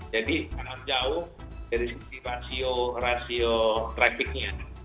jadi sangat jauh dari sisi rasio trafficnya